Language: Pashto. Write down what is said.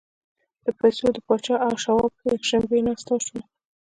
د پیسو د پاچا او شواب یکشنبې ناسته وشوه